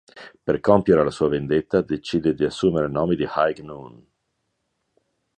Per compiere la sua vendetta decide di assumere il nome di High Noon.